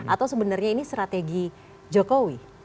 atau sebenarnya ini strategi jokowi